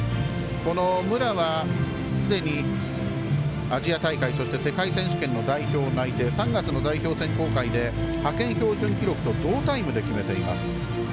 武良はすでにアジア大会そして世界選手権の代表内定３月の代表選考会で派遣標準記録の同タイムで決めています。